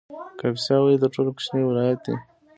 کاپیسا ولې تر ټولو کوچنی ولایت دی؟